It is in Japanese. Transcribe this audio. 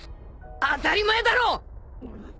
当たり前だろ！